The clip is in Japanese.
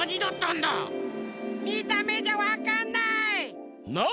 みためじゃわかんない。